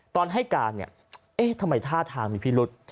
ตอนให้การเนี่ยเอ๊ะทำไมท่าทางมีพิรุษ